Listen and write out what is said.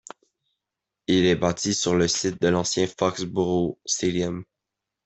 Il est bâti sur le site de l'ancien Foxboro Stadium.